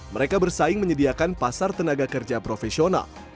mereka bersaing menyediakan pasar tenaga kerja profesional